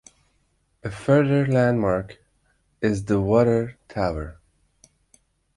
A further landmark is the water tower.